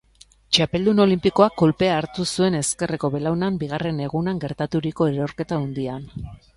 Txapeldun olinpikoak kolpea hartu zuen ezkerreko belaunan bigarren egunan gertaturiko erorketa handian.